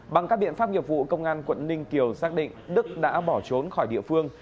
bằng các biện pháp nghiệp vụ công an quận ninh kiều xác định đức đã bỏ trốn khỏi địa phương